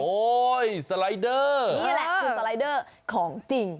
สไลเดอร์นี่แหละคือสไลเดอร์ของจริง